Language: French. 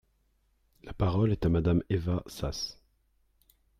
La parole est à Madame Eva Sas.